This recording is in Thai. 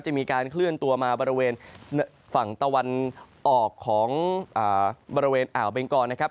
มีการเคลื่อนตัวมาบริเวณฝั่งตะวันออกของบริเวณอ่าวเบงกรนะครับ